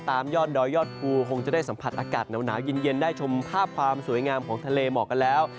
ตามยอดดอยดอูคงจะได้สัมผัสอากาศหนาวหนาวยินยนต์ได้ชมภาพความสวยงามของทะเลเหมาะกันแล้ว